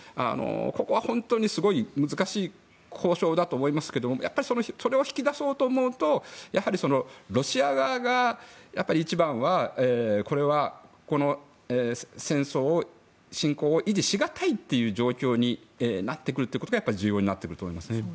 ここは本当にすごい難しい交渉だと思いますがやっぱりそれを引き出そうと思うとやはりロシア側が一番は、戦争、侵攻を維持しがたいという状況になってくるということが重要になっていると思います。